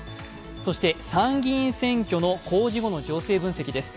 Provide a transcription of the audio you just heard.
そして参議院選挙の公示後の情勢分析です。